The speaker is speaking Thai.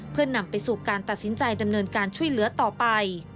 เพื่อนำไปสู่การตัดสินใจดำเนินการช่วยเหลือต่อไป